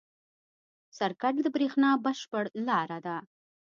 سرکټ د برېښنا بشپړ لاره ده.